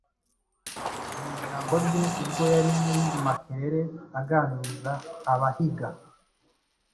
Mu ijambo rye ubwo yari muri Makerere aganiriza abahiga,